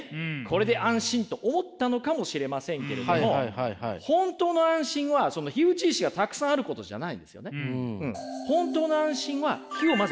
これで安心と思ったのかもしれませんけれども本当の安心はその火打ち石がたくさんあることじゃないんですよね。